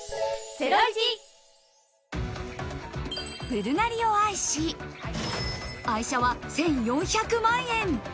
ブルガリを愛し、愛車は１４００万円。